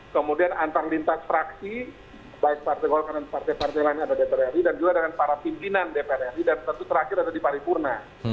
kemudian antar lintas fraksi baik partai golkar dan partai partai lain yang ada di dpr ri dan juga dengan para pimpinan dpr ri dan tentu terakhir ada di paripurna